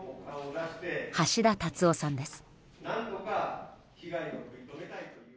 橋田達夫さんです。